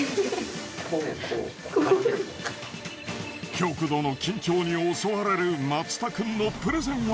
極度の緊張に襲われる松田くんのプレゼンは。